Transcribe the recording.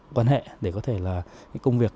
quan hệ để có thể là công việc